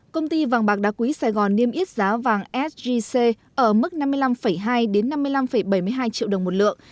công ty vàng bạc đá quý sài gòn niêm yết giá vàng sgc ở mức năm mươi năm hai năm mươi năm bảy mươi hai triệu đồng một lượng